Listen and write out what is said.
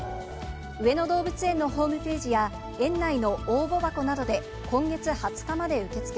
上野動物園のホームページや、園内の応募箱などで、今月２０日まで受け付け。